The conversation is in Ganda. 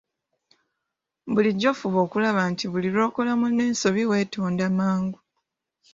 Bulijjo fuba okulaba nti buli lw'okola munno ensobi weetonda mangu.